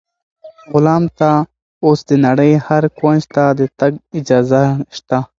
غلام ته اوس د نړۍ هر کونج ته د تګ اجازه شته.